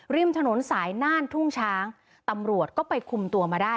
ริมถนนสายน่านทุ่งช้างตำรวจก็ไปคุมตัวมาได้